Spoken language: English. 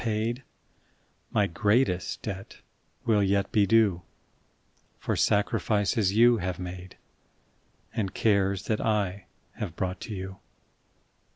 '* 7^0 My greatest debt will yet be due For sacrifices you bave made And cares that I have brought to you.